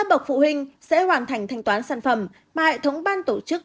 các bậc phụ huynh sẽ hoàn thành thanh toán sản phẩm mà hệ thống ban tổ chức